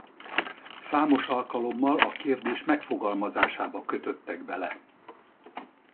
Számos alkalommal a kérdés megfogalmazásába kötöttek bele.